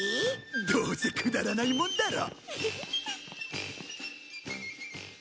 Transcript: どうせくだらないもんだろ。